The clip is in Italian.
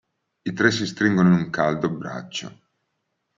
I tre si stringono in un caldo abbraccio.